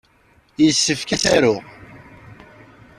Yessefk ad t-aruɣ.